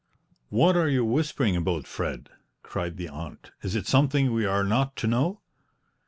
"What are you whispering about, Fred?" cried the aunt. "Is it something we are not to know?"